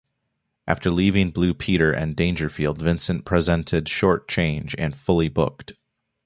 After leaving "Blue Peter" and "Dangerfield", Vincent presented "Short Change" and "Fully Booked".